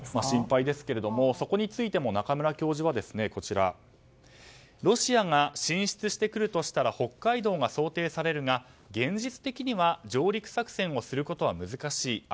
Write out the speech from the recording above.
心配ですけれどもそこについても中村教授はロシアが進出してくるとしたら北海道が想定されるが現実的には上陸作戦をすることは難しい。